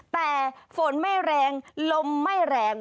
แต่ฝนไม่แรงลมไม่แรง